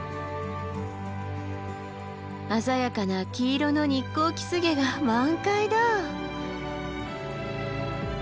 鮮やかな黄色のニッコウキスゲが満開だ。